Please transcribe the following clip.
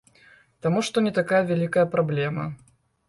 Таму што не такая вялікая праблема.